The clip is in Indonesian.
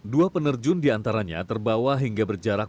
dua penerjun di antaranya terbawa hingga berjarak